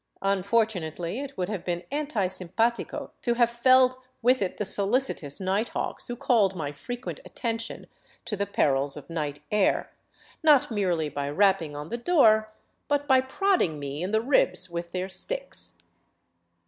Unfortunately it would have been anti simpatico to have felled with it the solicitous night hawks who called my frequent at tention to the perils of night air, not merely by rapping on the door, but by prodding me in the ribs with their sticks.